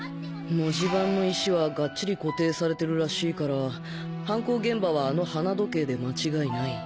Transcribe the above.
文字盤の石はがっちり固定されてるらしいから犯行現場はあの花時計で間違いない。